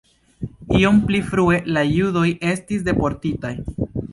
Iom pli frue la judoj estis deportitaj.